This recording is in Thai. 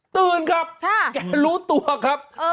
ตื้นเขารู้ตัว